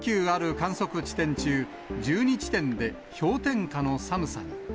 観測地点中１２地点で氷点下の寒さに。